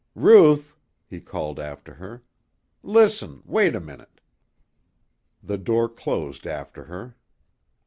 "Ruth," he called after her, "listen, wait a minute." The door closed after her.